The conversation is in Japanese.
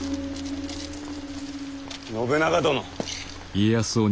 信長殿。